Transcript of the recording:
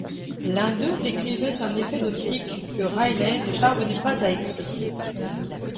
L'un d'eux décrivait un effet d'optique que Rayleigh ne parvenait pas à expliquer.